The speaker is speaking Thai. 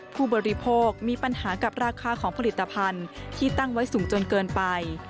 ผู้บริโภคมีปัญหากับราคาของผลิตภัณฑ์ที่ตั้งไว้สูงจนเกินไป